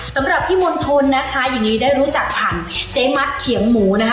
สำหรับพี่มณฑลนะคะอย่างนี้ได้รู้จักผ่านเจ๊มัดเขียงหมูนะคะ